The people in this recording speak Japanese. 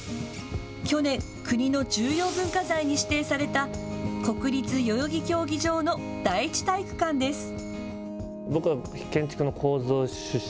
去年、国の重要文化財に指定された国立代々木競技場の第一体育館です。